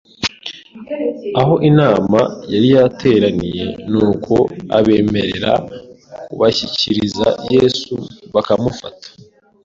aho inama yari yateraniye; nuko abemerera kubashyikiriza Yesu bakamufata.